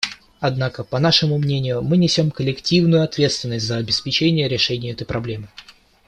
Однако, по нашему мнению, мы несем коллективную ответственность за обеспечение решения этой проблемы.